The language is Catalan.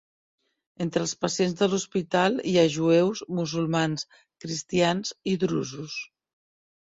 Entre els pacients de l'hospital hi ha jueus, musulmans, cristians i drusos.